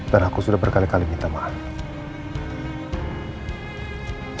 dan aku sudah berkali kali minta maaf